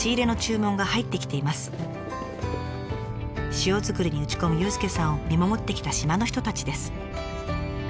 塩作りに打ち込む佑介さんを見守ってきた島の人たちです。